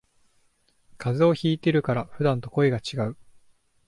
風邪ひいてるから普段と声がちがう